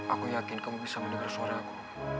aku yakin kamu bisa mendengar suara aku